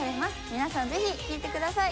皆さんぜひ聴いてください。